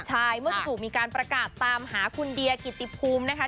ใช่เมื่อถูกมีการประกาศตามหาคุณเดียกิติภูมินะคะ